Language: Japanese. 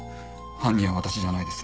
犯人は私じゃないです。